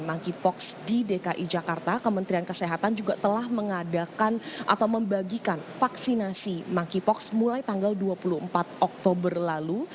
monkeypox di dki jakarta kementerian kesehatan juga telah mengadakan atau membagikan vaksinasi monkeypox mulai tanggal dua puluh empat oktober lalu